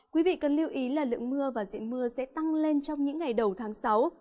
quý vị cần lưu ý là lượng mưa và diện mưa sẽ tăng lên trong những ngày đầu tháng sáu